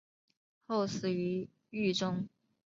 后死于狱中。